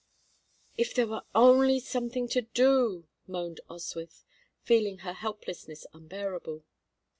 "If there were only something to do!" moaned Oswyth, feeling her helplessness unbearable.